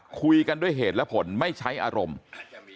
คุยกันด้วยเหตุและผลไม่ใช้อารมณ์